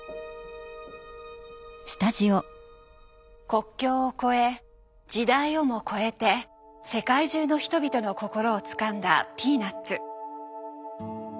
国境を超え時代をも超えて世界中の人々の心をつかんだ「ピーナッツ」。